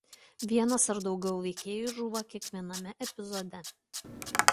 Vienas ar daugiau veikėjų žūva kiekviename epizode.